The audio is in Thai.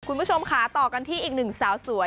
คุณผู้ชมค่ะต่อกันที่อีกหนึ่งสาวสวย